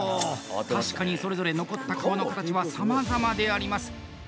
確かにそれぞれ残った皮の形は、さまざまであります。